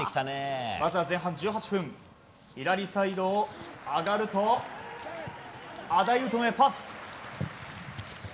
まずは前半１８分左サイドを上がるとアダイウトンへパス。